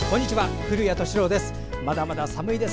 古谷敏郎です。